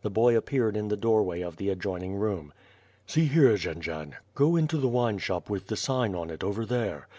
The boy appeared in the doorway of the adjoining room. "See here, Jendzian, go into the wineshop with the sign on it, over there.